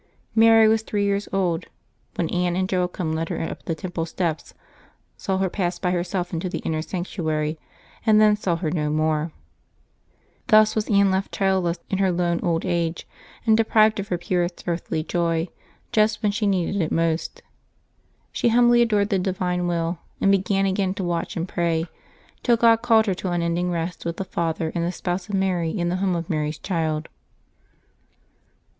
Mary was three years old when Anne and Joachim led her up the Temple steps, saw her pass by herself into the inner sanctuary, and then saw her no more. Thus was Anne left childless in her lone old age, and deprived of her purest earthly joy just when she needed it most. She humbly adored the Divine Will, and began again to watch and pray, till God called her to un ending rest with the Father and the Spouse of Mary in the home of Mary's Child.